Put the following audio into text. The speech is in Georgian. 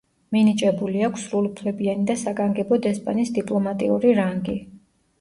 მინიჭებული აქვს სრულუფლებიანი და საგანგებო დესპანის დიპლომატიური რანგი.